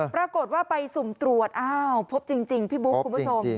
ปรากฏว่าไปสุ่มตรวจอ้าวพบจริงพี่บุ๊คคุณผู้ชม